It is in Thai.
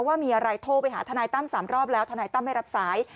ว่ามีอะไรโทรไปหาทนายตั้ม๓รอบแล้วทนายตั้มไม่รับสาย